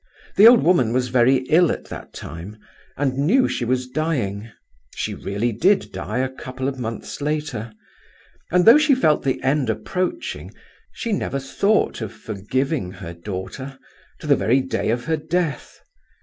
The old woman was very ill at that time, and knew she was dying (she really did die a couple of months later), and though she felt the end approaching she never thought of forgiving her daughter, to the very day of her death.